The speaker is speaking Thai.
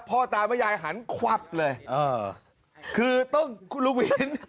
พ่อตาแม่ยายหันควับเลยเออคือต้องคุณลุงวิน